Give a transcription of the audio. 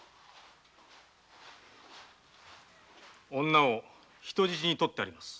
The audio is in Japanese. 女を人質に取ってあります。